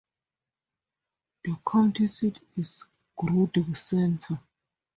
The county seat is Grundy Center.